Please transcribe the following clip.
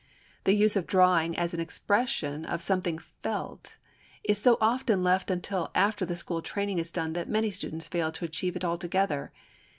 The use of drawing as an expression of something felt is so often left until after the school training is done that many students fail to achieve it altogether.